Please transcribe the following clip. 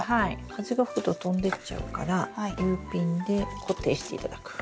風が吹くと飛んでっちゃうからＵピンで固定して頂く。